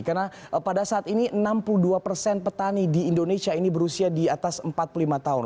karena pada saat ini enam puluh dua persen petani di indonesia ini berusia di atas empat puluh lima tahun